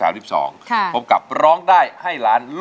น้องปอนด์ร้องได้ให้ร้อง